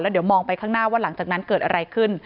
เดี๋ยวมองไปข้างหน้าว่าหลังจากนั้นเกิดอะไรขึ้น